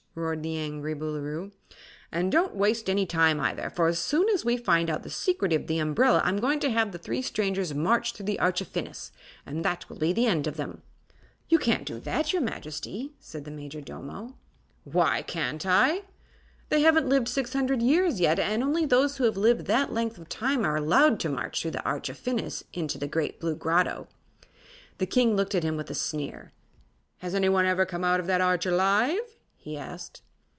roared the angry Boolooroo. "And don't waste any time, either, for as soon as we find out the secret of the umbrella I'm going to have the three strangers marched through the Arch of Phinis and that will be the end of them." "You can't do that, your Majesty," said the Majordomo. "Why can't I?" "They haven't lived six hundred years yet, and only those who have lived that length of time are allowed to march through the Arch of Phinis into the Great Blue Grotto." The King looked at him with a sneer. "Has anyone ever come out of that Arch alive?" he asked.